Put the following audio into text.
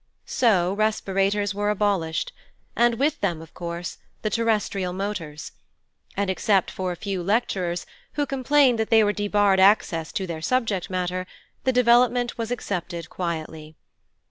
So respirators were abolished, and with them, of course, the terrestrial motors, and except for a few lecturers, who complained that they were debarred access to their subject matter, the development was accepted quietly.